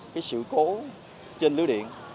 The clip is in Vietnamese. cái sự cố trên lưới điện